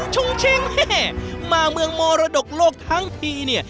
ชุ้งชิงแม่มาเมืองมรดกโลกทั้งทีเนี่ย